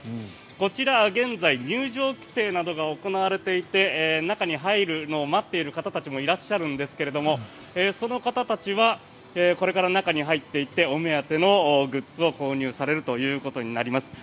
こちら、現在入場規制などが行われていて中に入るのを待っている方たちもいらっしゃるんですがその方たちはこれから中に入っていってお目当てのグッズを購入されるということになります。